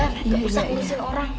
gak usah ngurusin orang